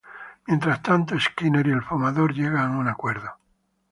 Mientras tanto, Skinner y El Fumador llegan a un acuerdo.